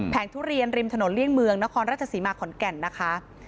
แผงทุเรียนริมถเรียงเมืองนครรัชสมัครขอนแก่นนะคะ